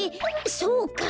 そうか。